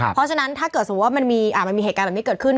เพราะฉะนั้นถ้าเกิดสมมุติว่ามันมีเหตุการณ์แบบนี้เกิดขึ้น